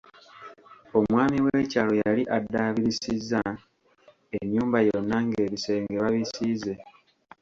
Omwami w'ekyalo yali addaabirizisizza ennyumba yonna ng'ebisenge babisiize.